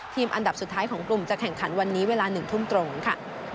อันดับสุดท้ายของกลุ่มจะแข่งขันวันนี้เวลา๑ทุ่มตรงค่ะ